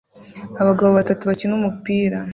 Abagabo batatu bakina umupira